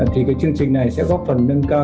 thì cái chương trình này sẽ góp phần nâng cao